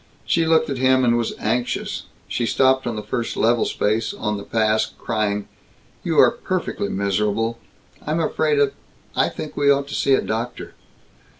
She looked at him and was anxious. She stopped on the first level space on the pass, crying, "You are perfectly miserable. I'm afraid of I think we ought to see a doctor."